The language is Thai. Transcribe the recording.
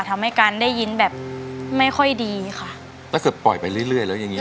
ทำให้การได้ยินแบบไม่ค่อยดีค่ะถ้าเกิดปล่อยไปเรื่อยเรื่อยแล้วอย่างเงี